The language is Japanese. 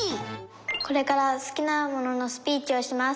「これから好きなもののスピーチをします。